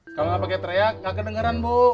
kalau nggak pakai teriak nggak kedengeran bu